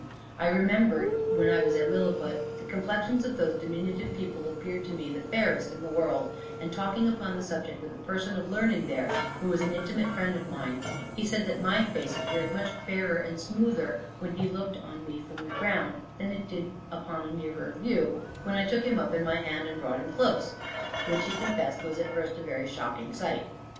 I remember, when I was at Lilliput, the complexions of those diminutive people appeared to me the fairest in the world; and talking upon the subject with a person of learning there, who was an intimate friend of mine, he said that my face appeared much fairer and smoother when he looked on me from the ground, than it did upon a nearer view, when I took him up in my hand and brought him close, which he confessed was at first a very shocking sight.